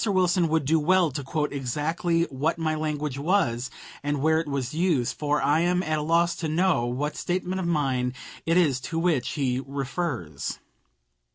Wilson would do well to quote exactly what my language was, and where it was used, for I am at a loss to know what statement of mine it is to which he refers.